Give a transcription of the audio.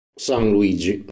San Luigi